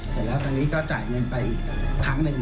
เสร็จแล้วทางนี้ก็จ่ายเงินไปอีกครั้งหนึ่ง